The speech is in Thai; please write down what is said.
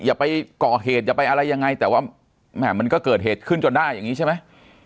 อย่าไปก่อเหตุอย่าไปอะไรยังไงแต่ว่ามันก็เกิดเหตุขึ้นจนได้อย่างนี้ใช่ไหม